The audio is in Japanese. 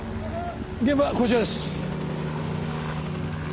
現場はこちらです。